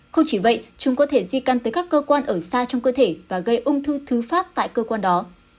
không chỉ vậy chúng có thể di căn tới các cơ quan ở xa trong cơ thể và gây ung thư thứ phát tại cơ quan đó